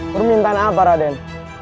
permintaan apa raden